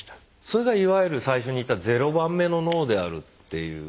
それがいわゆる最初に言った「０番目の脳」であるっていう。